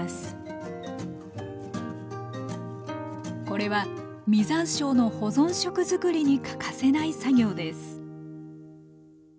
これは実山椒の保存食作りに欠かせない作業です